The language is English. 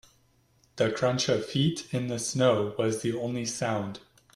The crunch of feet in the snow was the only sound.